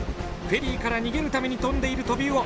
フェリーから逃げるために飛んでいるトビウオ。